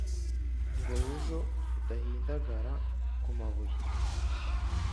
ngo ejo udahindagara ku mabuye,